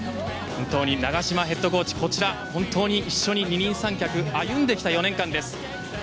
本当に長島ヘッドコーチ一緒に二人三脚で歩んできた４年間です。